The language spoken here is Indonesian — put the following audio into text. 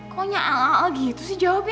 kok nya aaa gitu sih jawabnya